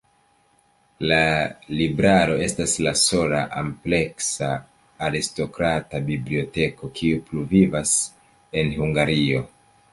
La libraro estas la sola ampleksa aristokrata biblioteko, kiu pluvivas en Hungario.